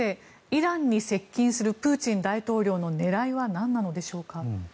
イランに接近するプーチン大統領の狙いはなんなのでしょうか。